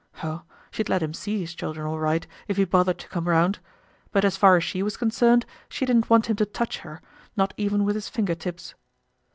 Oh, she'd let him see his children, all right, if he bothered to come round. But as far as she was concerned, she didn't want him to touch her, not even with his finger tips.